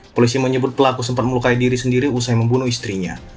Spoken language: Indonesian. polisi menyebut pelaku sempat melukai diri sendiri usai membunuh istrinya